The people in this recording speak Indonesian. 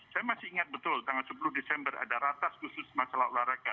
saya masih ingat betul tanggal sepuluh desember ada ratas khusus masalah olahraga